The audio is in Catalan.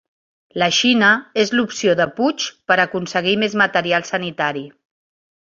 La Xina és l'opció de Puig per aconseguir més material sanitari